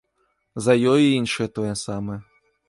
За ёю і іншыя тое самае.